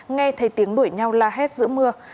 nghe thấy tiếng đuổi nhau la hét giữa mưa